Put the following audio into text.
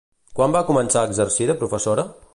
Quan va començar a exercir de professora?